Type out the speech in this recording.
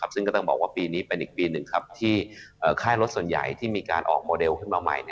ซึ่งก็ต้องบอกว่าปีนี้เป็นอีกปีหนึ่งที่ค่ายรถส่วนใหญ่ที่มีการออกโมเดลขึ้นมาใหม่